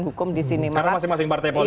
hukum disini karena masing masing partai politik